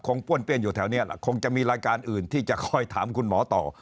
ป้วนเปี้ยนอยู่แถวนี้แหละคงจะมีรายการอื่นที่จะคอยถามคุณหมอต่อ